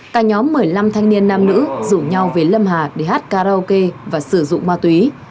cả nhóm một mươi năm thanh niên nam nữ rủ nhau về lâm hà để hát karaoke và sử dụng ma túy